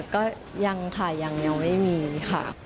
ก็ยังค่ะยังไม่มีค่ะ